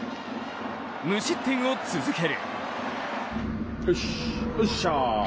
無失点を続ける。